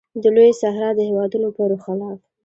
د لویې صحرا د هېوادونو پر خلاف.